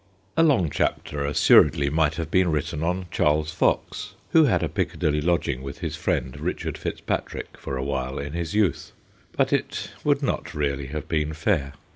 A long chapter, assuredly, might have been written on Charles Fox, who had a Piccadilly lodging with his friend, Richard FitzPatrick, for a while in his youth. But it would not really have been fair.